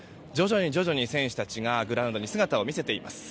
徐々に選手たちがグラウンドに姿を見せています。